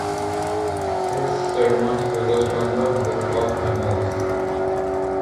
His sermons focused on the Book of Amos.